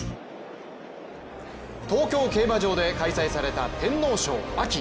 東京競馬場で開催された天皇賞・秋。